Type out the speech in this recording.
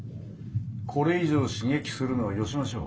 これ以上刺激するのはよしましょう」。